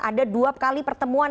ada dua kali pertemuan